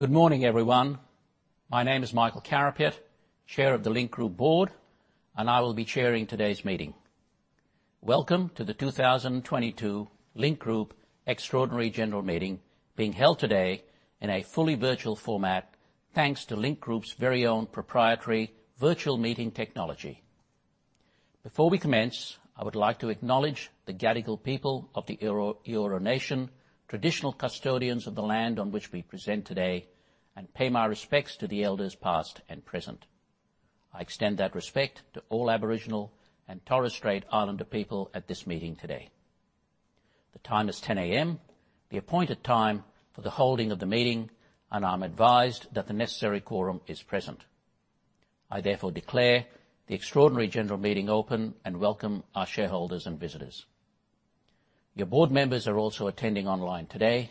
Good morning, everyone. My name is Michael Carapiet, Chair of the Link Group board. I will be chairing today's meeting. Welcome to the 2022 Link Group Extraordinary General Meeting, being held today in a fully virtual format, thanks to Link Group's very own proprietary virtual meeting technology. Before we commence, I would like to acknowledge the Gadigal people of the Eora nation, traditional custodians of the land on which we present today. I pay my respects to the elders past and present. I extend that respect to all Aboriginal and Torres Strait Islander people at this meeting today. The time is 10:00 A.M., the appointed time for the holding of the meeting. I'm advised that the necessary quorum is present. I therefore declare the Extraordinary General Meeting open and welcome our shareholders and visitors. Your board members are also attending online today.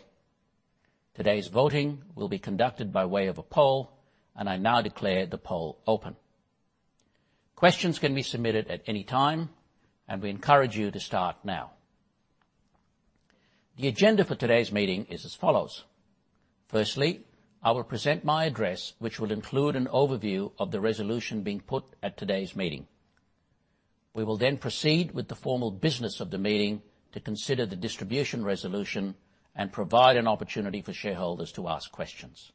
Today's voting will be conducted by way of a poll. I now declare the poll open. Questions can be submitted at any time. We encourage you to start now. The agenda for today's meeting is as follows. Firstly, I will present my address, which will include an overview of the resolution being put at today's meeting. We will then proceed with the formal business of the meeting to consider the distribution resolution and provide an opportunity for shareholders to ask questions.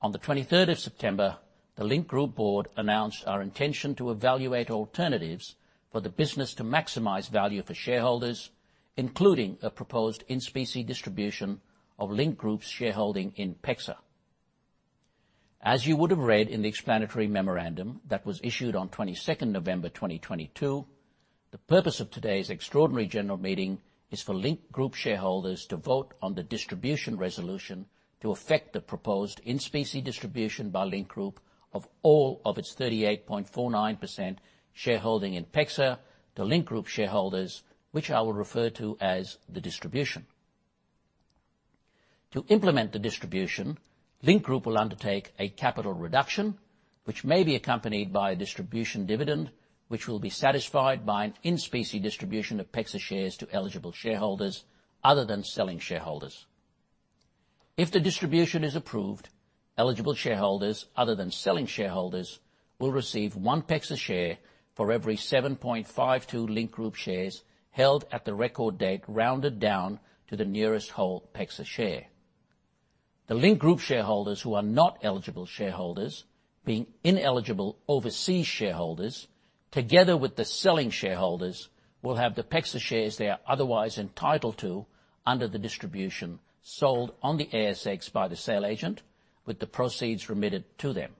On the 23rd of September, the Link Group board announced our intention to evaluate alternatives for the business to maximize value for shareholders, including a proposed in-specie distribution of Link Group's shareholding in PEXA. As you would have read in the explanatory memorandum that was issued on 22nd November 2022, the purpose of today's extraordinary general meeting is for Link Group shareholders to vote on the distribution resolution to affect the proposed in-specie distribution by Link Group of all of its 38.49% shareholding in PEXA to Link Group shareholders, which I will refer to as the distribution. To implement the distribution, Link Group will undertake a capital reduction, which may be accompanied by a distribution dividend, which will be satisfied by an in-specie distribution of PEXA shares to eligible shareholders other than selling shareholders. If the distribution is approved, eligible shareholders other than selling shareholders will receive one PEXA share for every 7.52 Link Group shares held at the record date, rounded down to the nearest whole PEXA share. The Link Group shareholders who are not eligible shareholders, being ineligible overseas shareholders, together with the selling shareholders, will have the PEXA shares they are otherwise entitled to under the distribution sold on the ASX by the sale agent, with the proceeds remitted to them.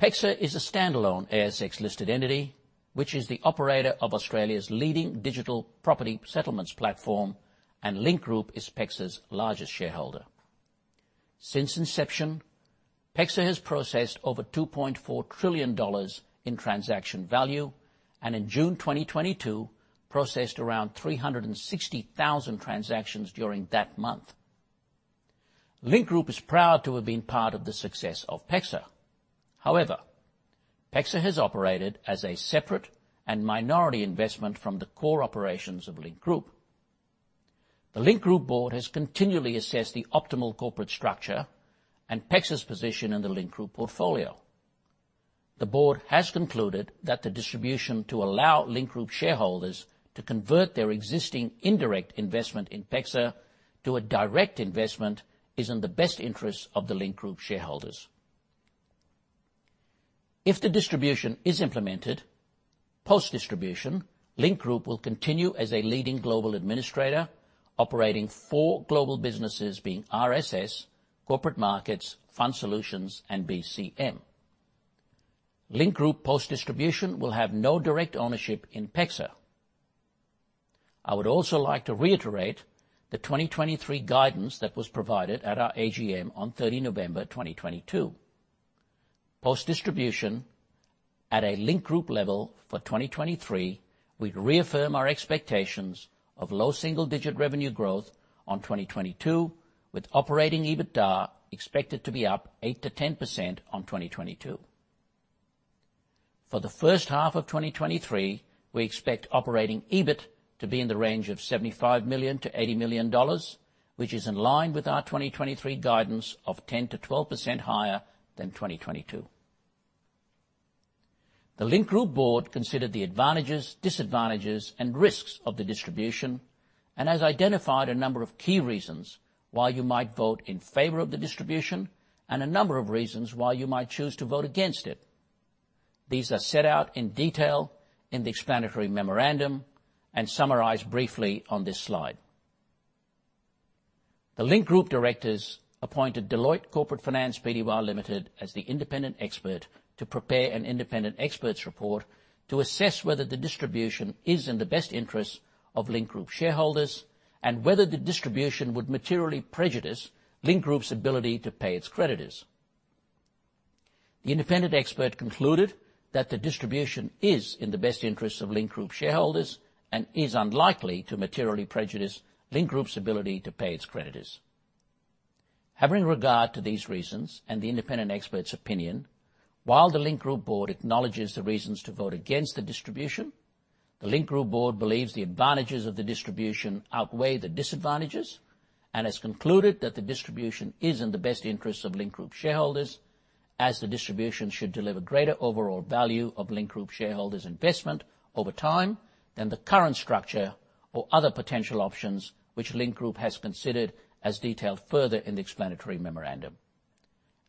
PEXA is a standalone ASX-listed entity, which is the operator of Australia's leading digital property settlements platform, and Link Group is PEXA's largest shareholder. Since inception, PEXA has processed over 2.4 trillion dollars in transaction value, and in June 2022, processed around 360,000 transactions during that month. Link Group is proud to have been part of the success of PEXA. However, PEXA has operated as a separate and minority investment from the core operations of Link Group. The Link Group board has continually assessed the optimal corporate structure and PEXA's position in the Link Group portfolio. The board has concluded that the distribution to allow Link Group shareholders to convert their existing indirect investment in PEXA to a direct investment is in the best interest of the Link Group shareholders. If the distribution is implemented, post-distribution, Link Group will continue as a leading global administrator operating four global businesses, being RSS, Corporate Markets, Fund Solutions, and BCM. Link Group, post-distribution, will have no direct ownership in PEXA. I would also like to reiterate the 2023 guidance that was provided at our AGM on 30 November 2022. Post-distribution, at a Link Group level for 2023, we reaffirm our expectations of low single-digit revenue growth on 2022, with operating EBITDA expected to be up 8%-10% on 2022. For the first half of 2023, we expect operating EBIT to be in the range of 75 million-80 million dollars, which is in line with our 2023 guidance of 10%-12% higher than 2022. The Link Group board considered the advantages, disadvantages, and risks of the distribution and has identified a number of key reasons why you might vote in favor of the distribution and a number of reasons why you might choose to vote against it. These are set out in detail in the explanatory memorandum and summarized briefly on this slide. The Link Group directors appointed Deloitte Corporate Finance Pty Limited as the independent expert to prepare an independent expert's report to assess whether the distribution is in the best interest of Link Group shareholders and whether the distribution would materially prejudice Link Group's ability to pay its creditors. The independent expert concluded that the distribution is in the best interest of Link Group shareholders and is unlikely to materially prejudice Link Group's ability to pay its creditors. Having regard to these reasons and the independent expert's opinion, while the Link Group board acknowledges the reasons to vote against the distribution, the Link Group board believes the advantages of the distribution outweigh the disadvantages and has concluded that the distribution is in the best interest of Link Group shareholders as the distribution should deliver greater overall value of Link Group shareholders' investment over time than the current structure or other potential options which Link Group has considered as detailed further in the explanatory memorandum.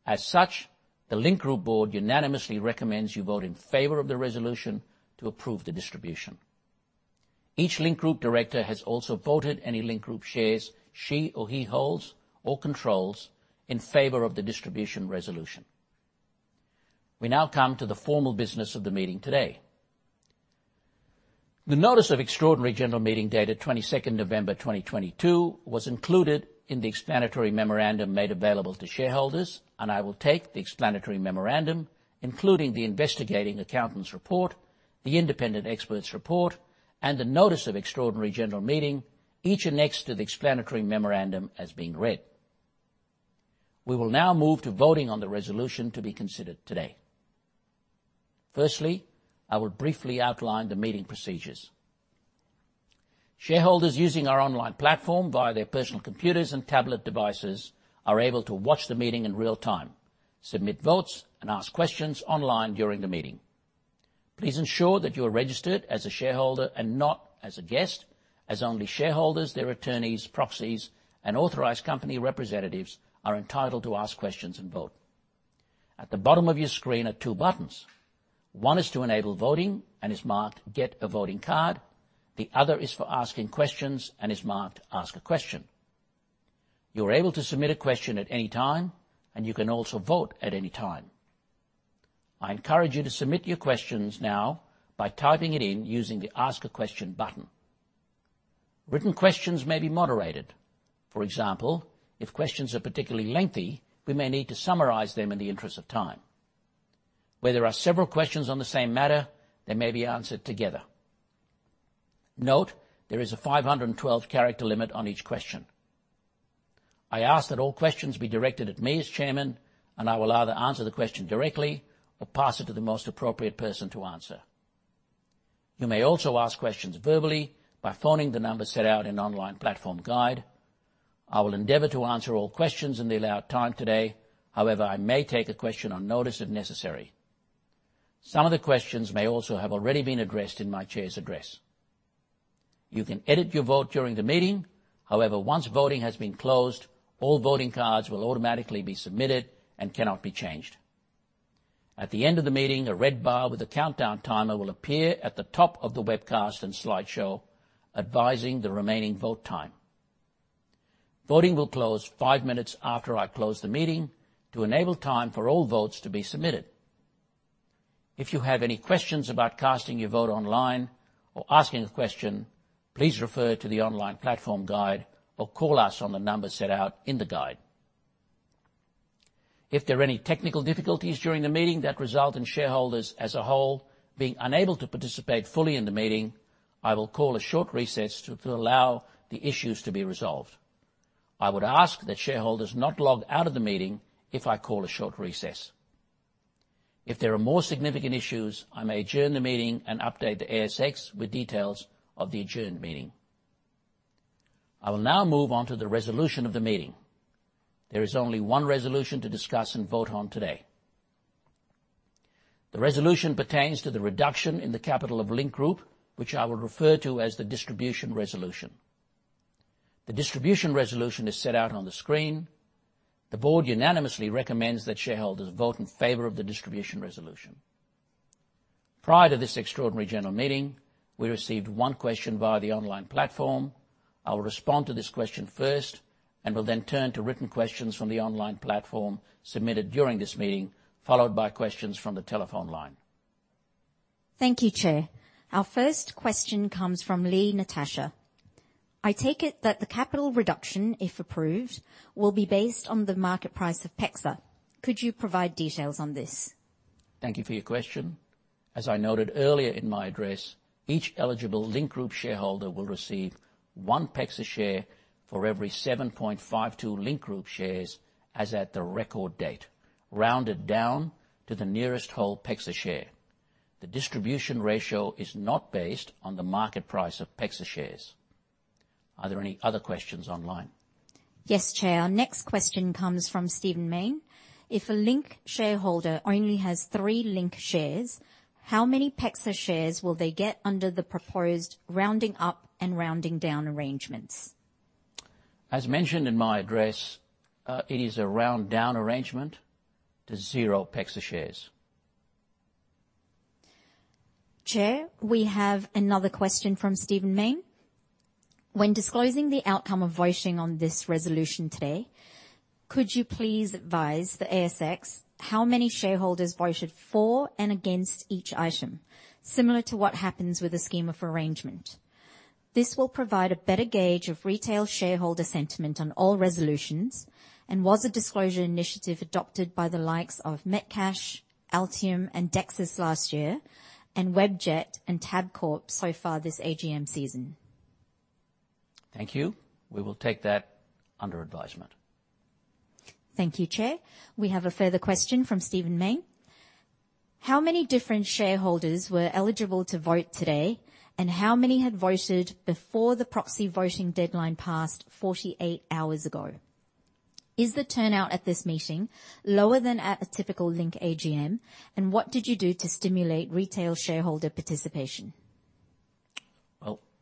The Link Group board unanimously recommends you vote in favor of the resolution to approve the distribution. Each Link Group director has also voted any Link Group shares she or he holds or controls in favor of the distribution resolution. We now come to the formal business of the meeting today. The notice of extraordinary general meeting date at 22nd November, 2022 was included in the explanatory memorandum made available to shareholders. I will take the explanatory memorandum, including the investigating accountant's report, the independent expert's report, and the notice of extraordinary general meeting, each annexed to the explanatory memorandum as being read. We will now move to voting on the resolution to be considered today. Firstly, I will briefly outline the meeting procedures. Shareholders using our online platform via their personal computers and tablet devices are able to watch the meeting in real time, submit votes, and ask questions online during the meeting. Please ensure that you are registered as a shareholder and not as a guest, as only shareholders, their attorneys, proxies, and authorized company representatives are entitled to ask questions and vote. At the bottom of your screen are two buttons. One is to enable voting and is marked Get a Voting Card. The other is for asking questions and is marked Ask a Question. You're able to submit a question at any time, and you can also vote at any time. I encourage you to submit your questions now by typing it in using the Ask a Question button. Written questions may be moderated. For example, if questions are particularly lengthy, we may need to summarize them in the interest of time. Where there are several questions on the same matter, they may be answered together. Note, there is a 512 character limit on each question. I ask that all questions be directed at me as chairman, and I will either answer the question directly or pass it to the most appropriate person to answer. You may also ask questions verbally by phoning the number set out in online platform guide. I will endeavor to answer all questions in the allowed time today. However, I may take a question on notice if necessary. Some of the questions may also have already been addressed in my chair's address. You can edit your vote during the meeting. However, once voting has been closed, all voting cards will automatically be submitted and cannot be changed. At the end of the meeting, a red bar with a countdown timer will appear at the top of the webcast and slideshow advising the remaining vote time. Voting will close five minutes after I close the meeting to enable time for all votes to be submitted. If you have any questions about casting your vote online or asking a question, please refer to the online platform guide or call us on the number set out in the guide. If there are any technical difficulties during the meeting that result in shareholders as a whole being unable to participate fully in the meeting, I will call a short recess to allow the issues to be resolved. I would ask that shareholders not log out of the meeting if I call a short recess. If there are more significant issues, I may adjourn the meeting and update the ASX with details of the adjourned meeting. I will now move on to the resolution of the meeting. There is only one resolution to discuss and vote on today. The resolution pertains to the reduction in the capital of Link Group, which I will refer to as the distribution resolution. The distribution resolution is set out on the screen. The board unanimously recommends that shareholders vote in favor of the distribution resolution. Prior to this extraordinary general meeting, we received one question via the online platform. I will respond to this question first and will then turn to written questions from the online platform submitted during this meeting, followed by questions from the telephone line. Thank you, Chair. Our first question comes from Lee Natasha. I take it that the capital reduction, if approved, will be based on the market price of PEXA. Could you provide details on this? Thank you for your question. As I noted earlier in my address, each eligible Link Group shareholder will receive one PEXA share for every 7.52 Link Group shares as at the record date, rounded down to the nearest whole PEXA share. The distribution ratio is not based on the market price of PEXA shares. Are there any other questions online? Yes, Chair. Our next question comes from Stephen Mayne. If a Link shareholder only has three Link shares, how many PEXA shares will they get under the proposed rounding up and rounding down arrangements? As mentioned in my address, it is a round down arrangement to zero PEXA shares. Chair, we have another question from Stephen Mayne. When disclosing the outcome of voting on this resolution today, could you please advise the ASX how many shareholders voted for and against each item, similar to what happens with a scheme of arrangement? This will provide a better gauge of retail shareholder sentiment on all resolutions and was a disclosure initiative adopted by the likes of Metcash, Altium, and Dexus last year, and Webjet and Tabcorp so far this AGM season. Thank you. We will take that under advisement. Thank you, Chair. We have a further question from Stephen Mayne. How many different shareholders were eligible to vote today and how many had voted before the proxy voting deadline passed 48 hours ago? Is the turnout at this meeting lower than at a typical Link AGM? What did you do to stimulate retail shareholder participation?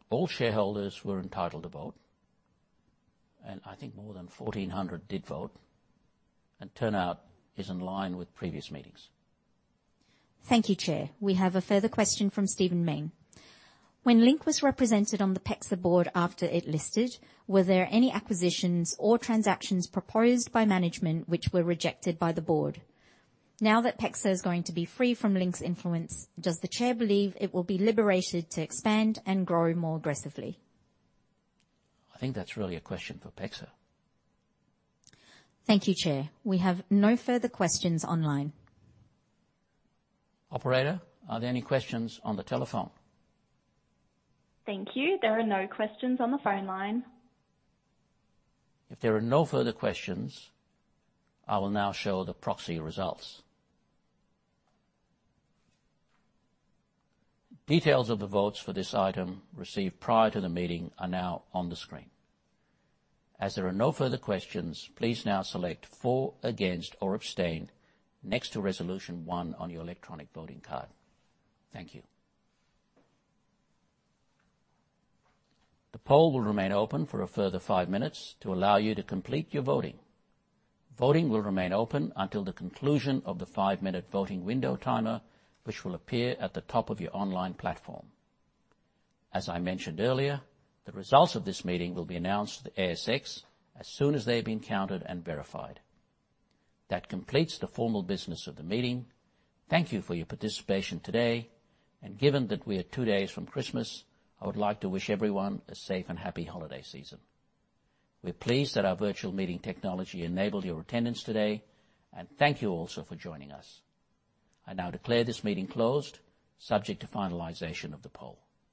All shareholders were entitled to vote, and I think more than 1,400 did vote. Turnout is in line with previous meetings. Thank you, Chair. We have a further question from Stephen Mayne. When Link was represented on the PEXA board after it listed, were there any acquisitions or transactions proposed by management which were rejected by the board? Now that PEXA is going to be free from Link's influence, does the Chair believe it will be liberated to expand and grow more aggressively? I think that's really a question for PEXA. Thank you, Chair. We have no further questions online. Operator, are there any questions on the telephone? Thank you. There are no questions on the phone line. If there are no further questions, I will now show the proxy results. Details of the votes for this item received prior to the meeting are now on the screen. As there are no further questions, please now select For, Against, or Abstain next to Resolution one on your electronic voting card. Thank you. The poll will remain open for a further five minutes to allow you to complete your voting. Voting will remain open until the conclusion of the five-minute voting window timer, which will appear at the top of your online platform. As I mentioned earlier, the results of this meeting will be announced to the ASX as soon as they have been counted and verified. That completes the formal business of the meeting. Thank you for your participation today. Given that we are two days from Christmas, I would like to wish everyone a safe and happy holiday season. We're pleased that our virtual meeting technology enabled your attendance today, and thank you also for joining us. I now declare this meeting closed, subject to finalization of the poll.